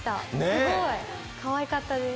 すごいかわいかったです。